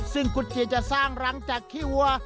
ซึ่งคุณเจียจะสร้างรังจากขี้วัว